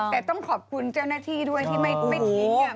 แต่ต้องขอบคุณเจ้าหน้าที่ด้วยที่ไม่ทิ้ง